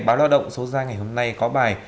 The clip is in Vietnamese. báo lao động số ra ngày hôm nay có bài